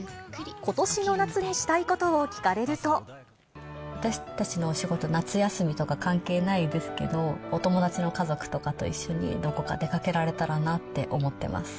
ことしの夏にしたいことを聞かれ私たちのお仕事、夏休みとか関係ないですけど、お友達の家族とかと一緒に、どこか出かけられたらなって思ってます。